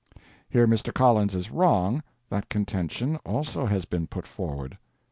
(Here Mr. Collins is wrong; that contention also has been put forward.)